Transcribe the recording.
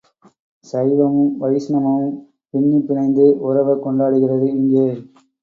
சைவமும், வைஷ்ணமும் பின்னிப் பிணைந்து உறவ கொண்டாடுகிறது இங்கே.